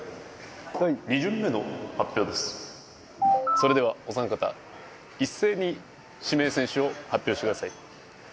それではお三方一斉に指名選手を発表してください。